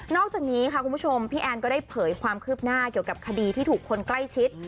อกจากนี้ค่ะคุณผู้ชมพี่แอนก็ได้เผยความคืบหน้าเกี่ยวกับคดีที่ถูกคนใกล้ชิด